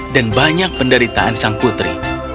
dan banyak penderitaan sang putri